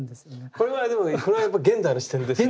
これはでもやっぱ現代の視点ですよね。